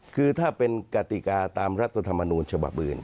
คือถ้าเป็นกติกาตามรัฐธรรมนูญฉบับอื่น